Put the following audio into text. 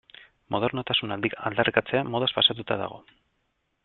Modernotasuna aldarrikatzea modaz pasatuta dago.